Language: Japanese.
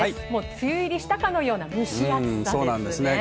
梅雨入りしたかのような蒸し暑さですね。